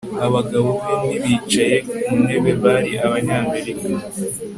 Abagabo bombi bicaye ku ntebe bari Abanyamerika